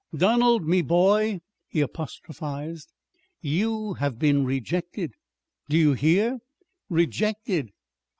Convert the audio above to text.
"Donald, me boy," he apostrophized, "you have been rejected. Do you hear? _Rejected!